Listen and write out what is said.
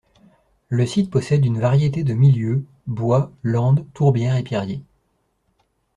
Le site possède une variété de milieux, bois, landes, tourbière et pierriers.